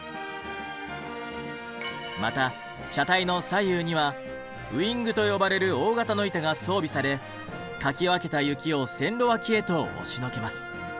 また車体の左右にはウィングと呼ばれる大型の板が装備されかき分けた雪を線路脇へと押しのけます。